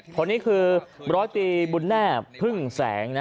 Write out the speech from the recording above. คนนี้คือร้อยตีบุญแน่พึ่งแสง